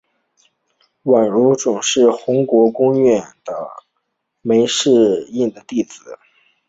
阮如琢是宏国公阮公笋和枚氏映的第四子。